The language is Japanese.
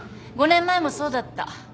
５年前もそうだった。